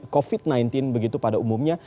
covid sembilan belas begitu pada umumnya